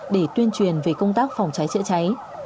để tuyên truyền về công tác phòng cháy chữa cháy